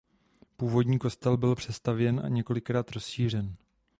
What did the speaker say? Původní kostel byl přestavěn a několikrát rozšířen.